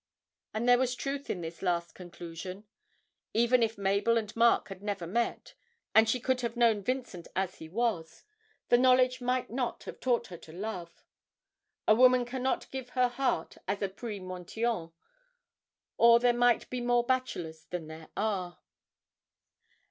And there was truth in this last conclusion. Even if Mabel and Mark had never met, and she could have known Vincent as he was, the knowledge might not have taught her to love. A woman cannot give her heart as a prix Montyon, or there might be more bachelors than there are.